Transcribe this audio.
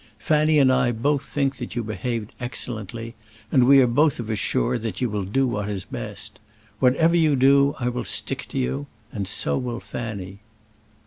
Fanny and I both think that you have behaved excellently, and are both of us sure that you will do what is best. Whatever you do I will stick to you; and so will Fanny."